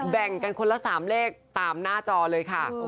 แบ่งกันคนละ๓เลขตามหน้าจอเลยค่ะ